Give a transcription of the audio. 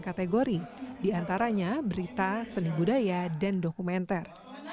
kategori diantaranya berita seni budaya dan dokumenter